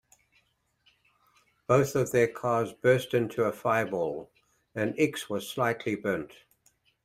Both of their cars burst into a fireball, and Ickx was slightly burned.